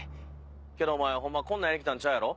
けどお前ホンマはこんなんやりに来たんちゃうやろ。